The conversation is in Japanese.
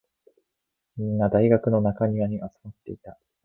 みんな、大学の中庭に集まっていた。